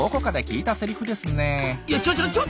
いやちょちょ